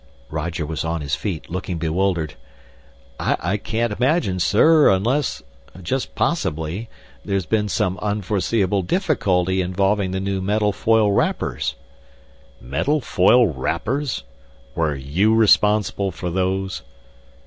Roger was on his feet, looking bewildered. "I can't imagine, sir, unless just possibly there's been some unforeseeable difficulty involving the new metal foil wrappers." "Metal foil wrappers? Were you responsible for those?"